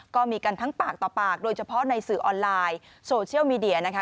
ก็มีกันทั้งปากต่อปากโดยเฉพาะในสื่อออนไลน์โซเชียลมีเดียนะคะ